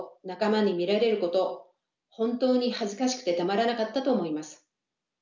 仲間に見られること本当に恥ずかしくてたまらなかったと思います。